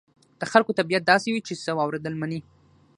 د خلکو طبيعت داسې وي چې څه واورېدل مني.